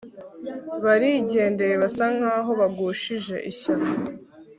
barigendeye basa nk'aho bagushije ishyano